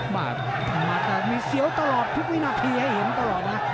บาททำมาแต่มีเสียวตลอดทุกวินาทีให้เห็นตลอดนะ